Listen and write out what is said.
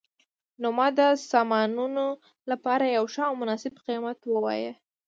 نو ما د سامانونو لپاره یو ښه او مناسب قیمت وواایه